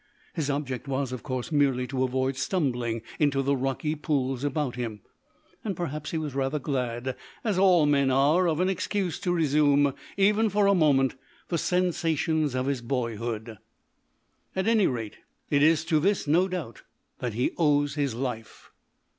His object was, of course, merely to avoid stumbling into the rocky pools about him, and perhaps he was rather glad, as all men are, of an excuse to resume, even for a moment, the sensations of his boyhood. At anyrate, it is to this, no doubt, that he owes his life.